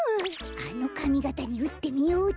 あのかみがたにうってみようっと。